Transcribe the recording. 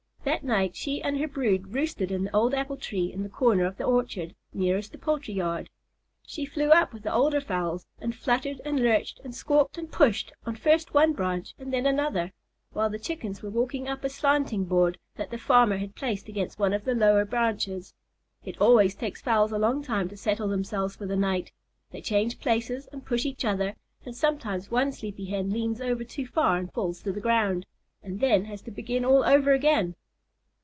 That night she and her brood roosted in the old apple tree in the corner of the orchard nearest the poultry yard. She flew up with the older fowls and fluttered and lurched and squawked and pushed on first one branch and then another, while the Chickens were walking up a slanting board that the farmer had placed against one of the lower branches. It always takes fowls a long time to settle themselves for the night. They change places and push each other, and sometimes one sleepy Hen leans over too far and falls to the ground, and then has to begin all over again.